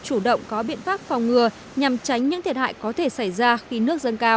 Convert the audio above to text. chủ động có biện pháp phòng ngừa nhằm tránh những thiệt hại có thể xảy ra khi nước dâng cao